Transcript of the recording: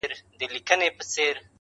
o د دوست سره دوستي، د ښمن سره مدارا٫